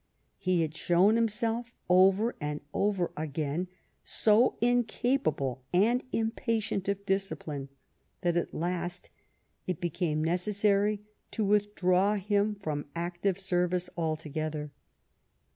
He had shown him self over and over again so incapable and impa tient of discipline that at last it became necessary to withdraw him from active service altogether.